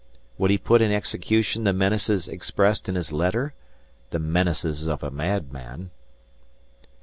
Would he put in execution the menaces expressed in his letter—the menaces of a madman!